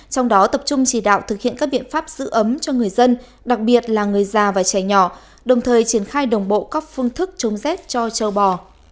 trong đó tập trung chỉ đạo thực hiện các biện pháp giữ ấm cho người dân đặc biệt là người già và trẻ nhỏ đồng thời triển khai đồng bộ các phương thức chống rét cho châu bò